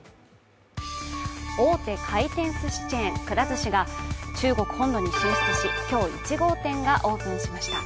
大手回転ずしチェーン、くら寿司が中国本土に進出し、今日、１号店がオープンしました。